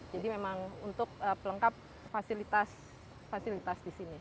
jadi memang untuk pelengkap fasilitas fasilitas di sini